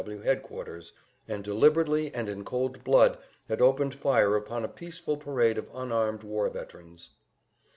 W. W. headquarters, and deliberately and in cold blood had opened fire upon a peaceful parade of unarmed war veterans.